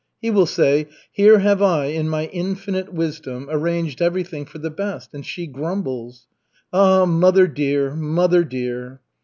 He will say: 'Here have I in my infinite wisdom arranged everything for the best, and she grumbles.' Ah, mother dear, mother dear."